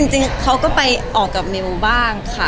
จริงเขาก็ไปออกกับมิวบ้างค่ะ